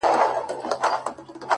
د ستن او تار خبري ډيري شې دي،